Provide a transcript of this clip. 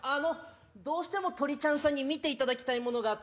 どうしてもとりちゃんさんに見ていただきたいものがあって。